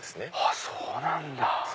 あそうなんだ。